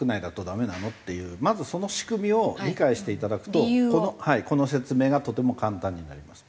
まずその仕組みを理解していただくとこの説明がとても簡単になります。